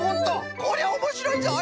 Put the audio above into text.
こりゃおもしろいぞい。